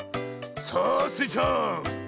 さあスイちゃん。